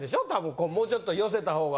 こうもうちょっと寄せたほうが。